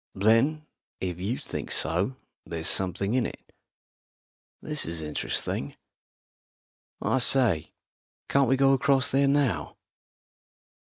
"Then, if you think so, there's something in it. This is interesting. I say, can't we go across there now?"